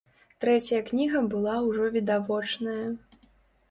Трэцяя кніга была ўжо відавочная.